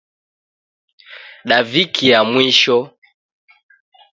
Dav'ikia mwisho